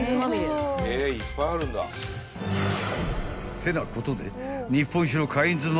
［ってなことで］